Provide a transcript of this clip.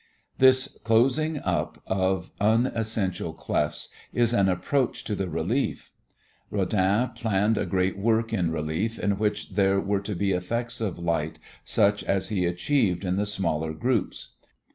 This closing up of unessential clefts is an approach to the relief. Rodin planned a great work in relief in which there were to be effects of light such as he achieved in the smaller groups.